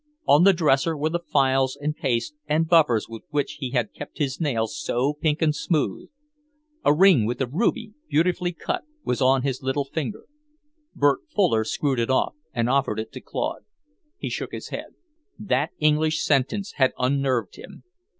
On the dresser were the files and paste and buffers with which he had kept his nails so pink and smooth. A ring with a ruby, beautifully cut, was on his little finger. Bert Fuller screwed it off and offered it to Claude. He shook his head. That English sentence had unnerved him.